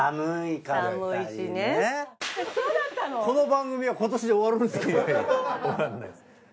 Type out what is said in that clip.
この番組は今年で終わるんですか。